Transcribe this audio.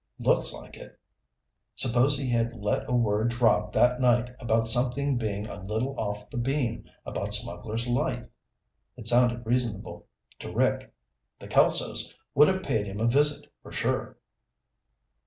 "Looks like it. Suppose he had let a word drop that night about something being a little off the beam about Smugglers' Light?" It sounded reasonable to Rick. "The Kelsos would have paid him a visit for sure."